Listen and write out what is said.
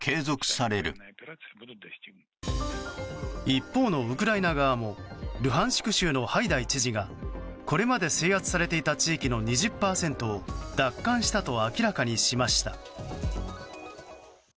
一方のウクライナ側もルハンシク州のハイダイ知事がこれまで制圧されていた地域の２０％を奪還したと明らかにしました。